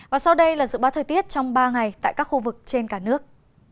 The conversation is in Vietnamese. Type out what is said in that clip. và sau đây là dự báo thời tiết trong ba ngày tại các khu vực trên cả nước